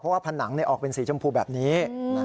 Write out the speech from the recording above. เพราะว่าผนังออกเป็นสีชมพูแบบนี้